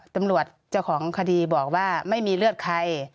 ตำรวจเจ้าของคดีบอกว่าไม่มีเลือดใคร